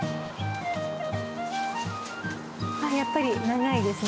やっぱり長いですね。